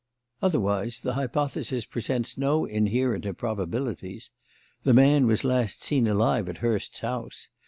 Otherwise the hypothesis presents no inherent improbabilities. The man was last seen alive at Hurst's house.